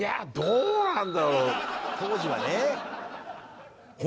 当時はね。